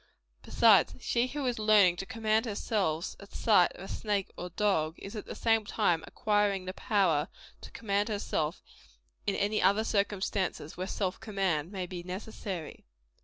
Besides, she who is learning to command herself at sight of a snake or a dog; is at the same time acquiring the power to command herself in any other circumstances where self command may be necessary.